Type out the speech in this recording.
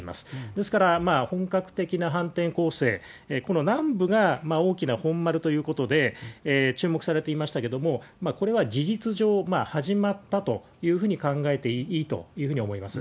ですから、本格的な反転攻勢、この南部が大きな本丸ということで注目されていましたけれども、これは事実上始まったというふうに考えていいというふうに思います。